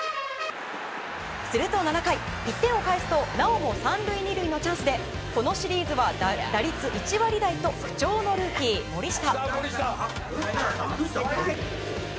すると７回、１点を返すとなおも３塁２塁のチャンスでこのシリーズは打率１割台と不調のルーキー、森下。